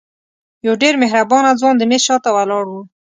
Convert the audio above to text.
یو ډېر مهربانه ځوان د میز شاته ولاړ و.